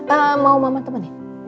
ehm mau mama temenin